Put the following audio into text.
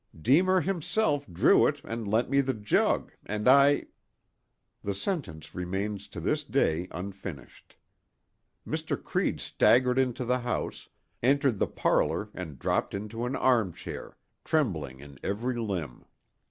Deemer himself drew it and lent me the jug, and I—" The sentence remains to this day unfinished. Mr. Creede staggered into the house, entered the parlor and dropped into an armchair, trembling in every limb.